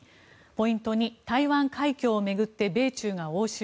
ポイント２、台湾海峡を巡って米中が応酬。